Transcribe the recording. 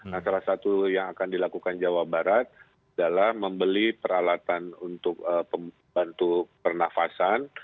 nah salah satu yang akan dilakukan jawa barat adalah membeli peralatan untuk pembantu pernafasan